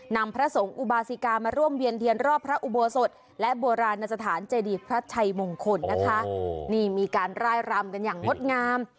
พระสงฆ์อุบาสิกามาร่วมเวียนเทียนรอบพระอุโบสถและโบราณสถานเจดีพระชัยมงคลนะคะนี่มีการร่ายรำกันอย่างงดงาม